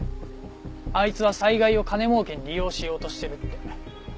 あいつは災害を金儲けに利用しようとしてるって。